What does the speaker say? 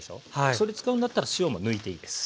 それ使うんだったら塩も抜いていいです。